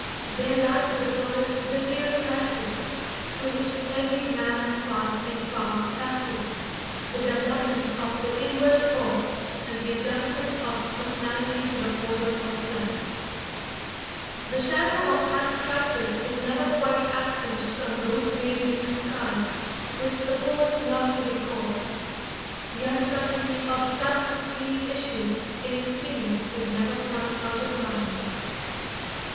There lies before it the real crisis through which every man of parts and power passes: the development of the inward force and the adjustment of the personality to the order of life. The shadow of that crisis is never quite absent from those radiant skies which the poets love to recall; the uncertainty of that supreme issue in experience is never quite out of mind.